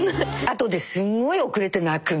後ですんごい遅れて泣く。